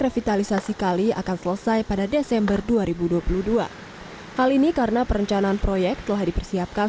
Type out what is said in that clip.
revitalisasi kali akan selesai pada desember dua ribu dua puluh dua hal ini karena perencanaan proyek telah dipersiapkan